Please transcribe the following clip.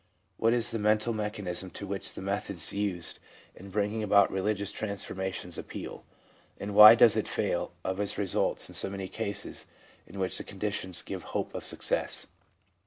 What is the mental mechanism to which the methods used in bringing about religious transformations appeal, and why does it fail of its results in many cases in which the conditions give hope of success